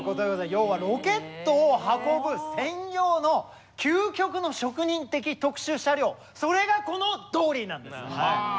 要はロケットを運ぶ専用の究極の職人的特殊車両それがこのドーリーなんです。